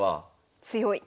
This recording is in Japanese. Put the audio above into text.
強い。